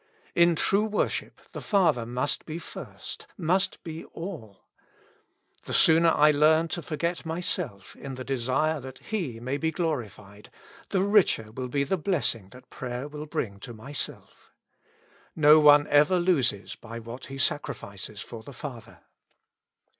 In true worship the Father must be first, must be all.' The sooner I learn to forget my self in the desire that He may be glorified, the richer will the blessing be that prayer will bring to myself. No one ever loses by what he sacrifices for the Father.